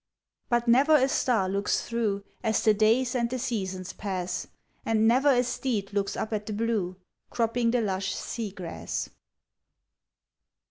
But never a star looks through, As the days and the seasons pass, And never a steed looks up at the blue, Cropping the lush sea grass.